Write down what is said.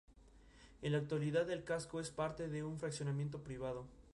En la actualidad el casco es parte de un fraccionamiento privado.